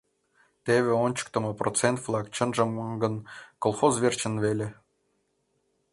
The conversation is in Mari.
Теве ончыктымо процент-влак чынжым гын колхоз верчын веле.